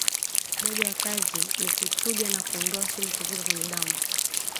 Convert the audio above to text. Moja ya kazi ni kuchuja na kuondoa sumu kutoka kwenye damu